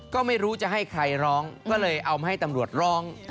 ก็ไม่รู้จะให้ใครร้องก็เลยเอามาให้ตำรวจร้อง